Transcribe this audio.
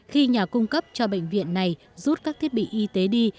khi nhà cung cấp cho bệnh viện này rút các thiết bị y tế đi